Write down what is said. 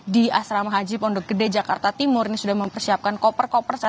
di asrama haji pondok gede jakarta timur ini sudah mempersiapkan koper koper